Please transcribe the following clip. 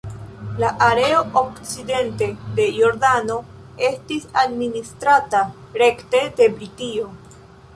La areo okcidente de Jordano estis administrata rekte de Britio.